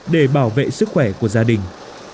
để bảo vệ sức khỏe của gia đình